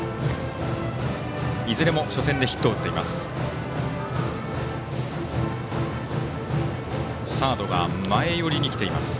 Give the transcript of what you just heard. いずれも初戦でヒットを打っています。